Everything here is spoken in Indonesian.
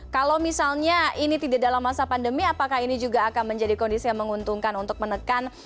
kalau misalnya ini tidak dalam masa pandemi apakah ini juga akan menjadi kondisi yang menguntungkan untuk menekan